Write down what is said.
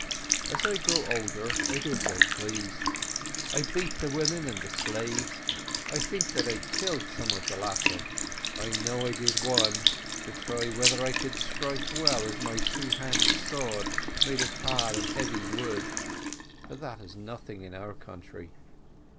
"As I grew older, I did as I pleased; I beat the women and the slaves; I think I killed some of the latter I know I did one, to try whether I could strike well with my two handed sword made of hard and heavy wood but that is nothing in our country.